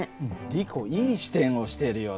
リコいい視点をしてるよね。